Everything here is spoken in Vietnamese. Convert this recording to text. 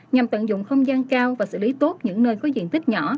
nhằm tận dụng không gian cao và xử lý tốt những nơi có diện tích nhỏ